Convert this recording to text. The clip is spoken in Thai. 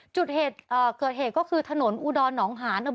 จุดเกิดเหตุก็คือถนนอุดรหนองหาแหน